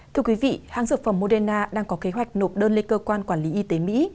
thưa quý vị hãng dược phẩm moderna đang có kế hoạch nộp đơn lên cơ quan quản lý y tế mỹ